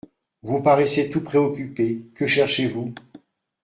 Vous paraissez tout préoccupé : que cherchez-vous ?